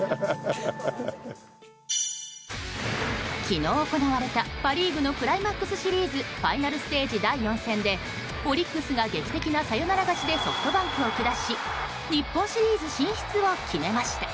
昨日、行われたパ・リーグのクライマックスシリーズファイナルステージ第４戦でオリックスが劇的なサヨナラ勝ちでソフトバンクを下し日本シリーズ進出を決めました。